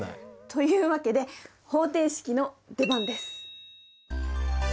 というわけで方程式の出番です。